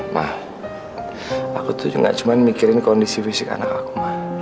ma aku tuh nggak cuma mikirin kondisi fisik anak aku ma